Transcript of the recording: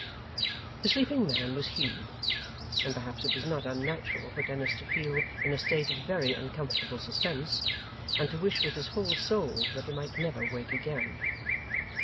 The sleeping man was Hugh; and perhaps it was not unnatural for Dennis to feel in a state of very uncomfortable suspense, and to wish with his whole soul that he might never wake again.